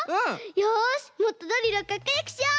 よしもっとドリルをかっこよくしよう！